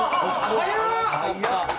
早っ！